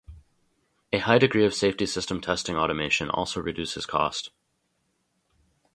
A high degree of safety system testing automation also reduces cost.